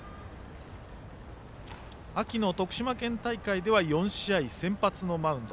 秋の徳島県大会では４試合先発のマウンド。